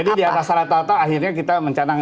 jadi di atas rata rata akhirnya kita mencadang